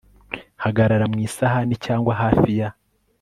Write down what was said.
Hagarara mu isahani cyangwa hafi ya